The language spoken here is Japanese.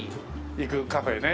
行くカフェね。